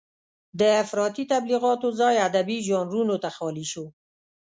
د افراطي تبليغاتو ځای ادبي ژانرونو ته خالي شو.